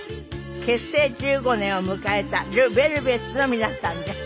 結成１５年を迎えたＬＥＶＥＬＶＥＴＳの皆さんです。